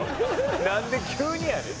「なんで急にやねん」